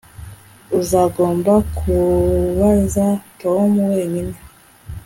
Uzagomba kubaza Tom wenyine